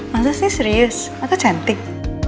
masasih serius aku cantik